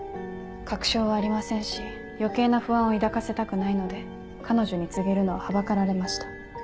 確証はありませんし余計な不安を抱かせたくないので彼女に告げるのははばかられました。